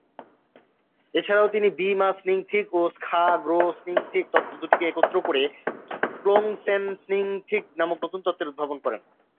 এছাড়াও তিনি বি-মা-স্ন্যিং-থিগ ও ম্খা'-'গ্রো-স্ন্যিং-থিগ তত্ত্ব দুটিকে একত্র করে ক্লোং-ছেন-স্ন্যিং-থিগ নামক নতুন তত্ত্বের উদ্ভাবন করেন।